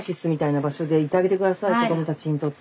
子どもたちにとって。